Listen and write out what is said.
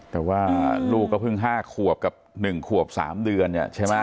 แต่ว่าลูกก็เพิ่งห้าขวบกับหนึ่งขวบสามเดือนน่ะใช่ไหม